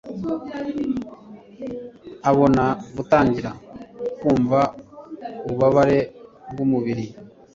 abona gutangira kwumva ububabare bw'umubiri,